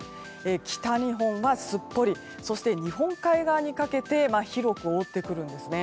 北日本はすっぽりそして日本海側にかけて広く覆ってくるんですね。